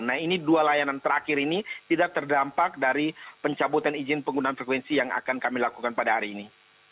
nah ini dua layanan terakhir ini tidak terdampak dari pencabutan izin penggunaan frekuensi yang akan kami lakukan pada hari ini